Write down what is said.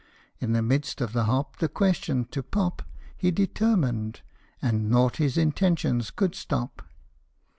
In the midst of the hop the question to pop He determined and nought his intention should stop.